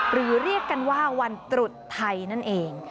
เรียกกันว่าวันตรุษไทยนั่นเอง